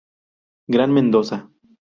Gran Mendoza.